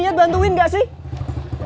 lu niat bantuin gak sih